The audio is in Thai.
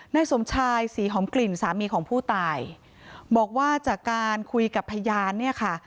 นายสมชายศรีหอมกลิ่นสามีของผู้ตายบอกว่าจากการคุยกับพยานเนี่ยค่ะ